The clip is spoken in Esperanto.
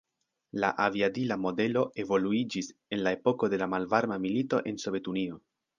La aviadila modelo evoluiĝis en la epoko de Malvarma Milito en Sovetunio.